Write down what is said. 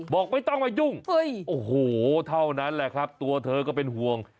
บอกไม่ต้องมายุ่งโอ้โหเท่านั้นแหละครับตัวเธอก็เป็นห่วง